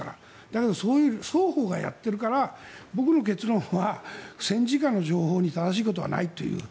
だけど双方がやっているから僕の結論は戦時下の情報に正しいことはないという。